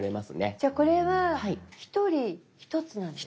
じゃあこれは１人１つなんですね。